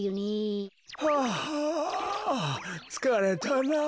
はぁつかれたなあ。